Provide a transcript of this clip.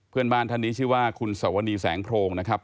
เพื่อนบ้านท่านนี้ชื่อว่าคุณสวนีแสงโพรงนะครับ